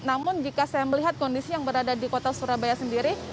namun jika saya melihat kondisi yang berada di kota surabaya sendiri